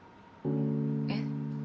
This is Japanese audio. えっ？